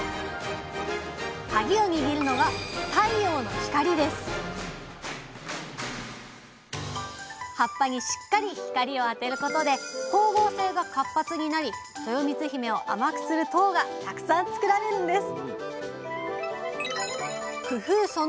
カギを握るのが葉っぱにしっかり光を当てることで光合成が活発になりとよみつひめを甘くする糖がたくさん作られるんです